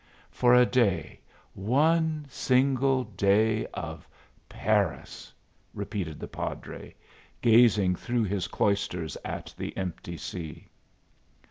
"For a day, one single day of Paris!" repeated the padre, gazing through his cloisters at the empty sea.